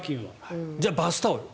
じゃあ、バスタオルは。